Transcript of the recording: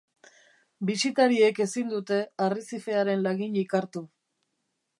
Bisitariek ezin dute arrezifearen laginik hartu.